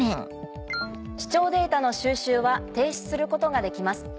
視聴データの収集は停止することができます。